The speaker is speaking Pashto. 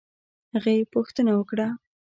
هغې پوښتنه وکړه